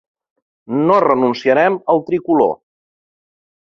No renunciarem al tricolor.